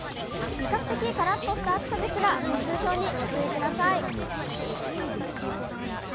比較的、からっとした暑さですが、熱中症にご注意ください。